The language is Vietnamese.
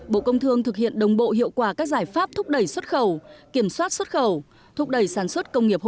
bộ công thương thực hiện đồng bộ hiệu quả các giải pháp thúc đẩy xuất khẩu kiểm soát xuất khẩu